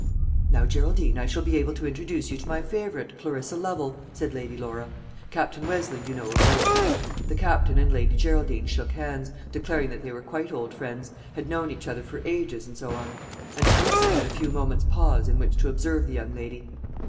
"Now, Geraldine, I shall be able to introduce you to my favourite, Clarissa Lovel," said Lady Laura; "Captain Westleigh you know of old." The Captain and Lady Geraldine shook hands, declaring that they were quite old friends had known each other for ages, and so on; and Clarissa had a few moments' pause, in which to observe the young lady.